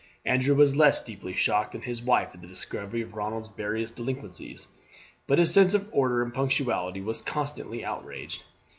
Andrew was less deeply shocked than his wife at the discovery of Ronald's various delinquencies, but his sense of order and punctuality was constantly outraged.